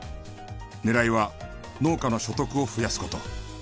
狙いは農家の所得を増やす事。